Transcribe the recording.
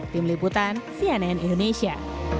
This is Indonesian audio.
tim liputan cnn indonesia